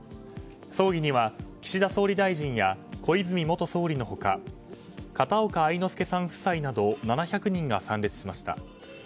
葬儀には岸田総理大臣や小泉元総理の他片岡愛之助さん夫妻など７００人が参列しました。